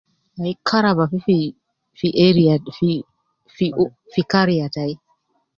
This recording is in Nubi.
Karaba fi fi ,fi area ,fi uh fi kariya tai